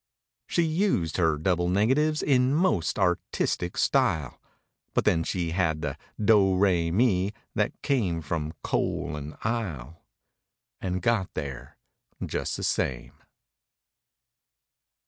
She used her double negatives in most artistic style, But then she had the "do ra me" that came from coal and "ile"— And got there just the same.